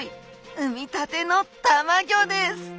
産みたてのたまギョです！